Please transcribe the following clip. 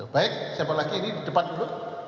baik siapa lagi ini di depan dulu